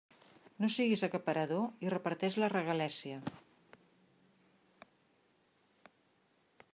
No siguis acaparador i reparteix la regalèssia.